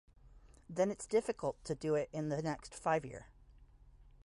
Then it's difficult to do it in the next five year.